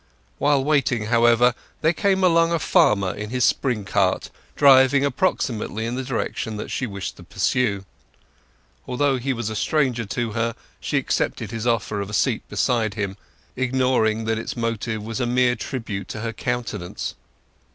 While waiting, however, there came along a farmer in his spring cart, driving approximately in the direction that she wished to pursue. Though he was a stranger to her she accepted his offer of a seat beside him, ignoring that its motive was a mere tribute to her countenance.